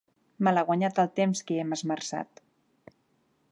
Malaguanyat el temps que hi hem esmerçat.